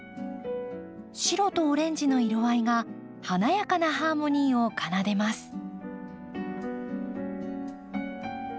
白とオレンジの色合いが華やかなハーモニーを奏でます。